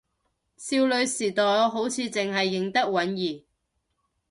少女時代我好似淨係認得允兒